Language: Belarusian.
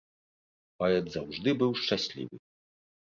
Паэт заўжды быў шчаслівы.